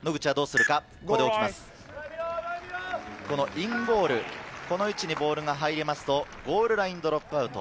インゴール、この位置にボールが入るとゴールラインドロップアウト。